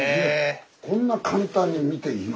こんな簡単に見ていいの？